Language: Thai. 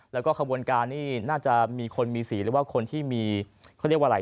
แล้วก็ขบวนการนี้น่าจะมีคนมีสีหรือว่าคนที่มีเขาเรียกว่าอะไร